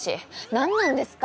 何なんですか